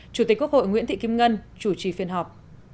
chủ tịch quốc hội nguyễn thị kim ngân chủ trì phiên họp